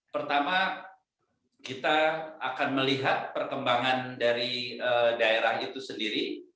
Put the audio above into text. pertama kita akan melihat perkembangan dari daerah itu sendiri